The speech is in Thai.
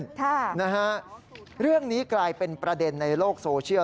ค่ะนะฮะเรื่องนี้กลายเป็นประเด็นในโลกโซเชียล